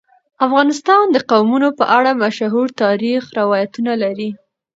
افغانستان د قومونه په اړه مشهور تاریخی روایتونه لري.